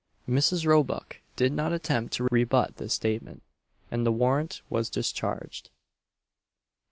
Mrs. Roebuck did not attempt to rebut this statement, and the warrant was discharged.